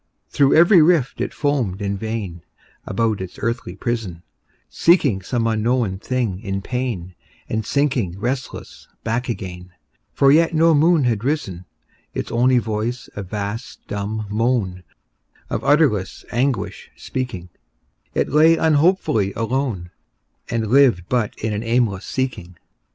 Through every rift it foamed in vain, About its earthly prison, Seeking some unknown thing in pain, And sinking restless back again, For yet no moon had risen: Its only voice a vast dumb moan, Of utterless anguish speaking, It lay unhopefully alone, And lived but in an aimless seeking.